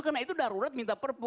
karena itu darurat minta perpu